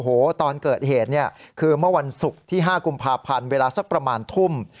โอ้โหตอนเกิดเหตุเนี่ยคือเมื่อวันศุกร์ที่๕กุมภาพันธ์เวลาสักประมาณทุ่ม